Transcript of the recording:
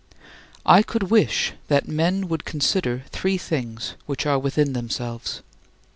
I could wish that men would consider three things which are within themselves.